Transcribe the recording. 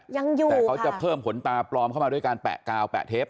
ยังอยู่แต่เขาจะเพิ่มผลตาปลอมเข้ามาด้วยการแปะกาวแปะเทป